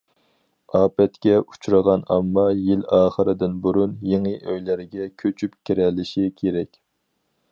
ئاپەتكە ئۇچرىغان ئامما يىل ئاخىرىدىن بۇرۇن يېڭى ئۆيلەرگە كۆچۈپ كىرەلىشى كېرەك.